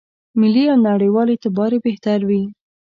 ملي او نړېوال اعتبار یې بهتر وي.